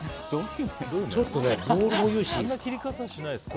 ちょっとねボウル用意していいですか。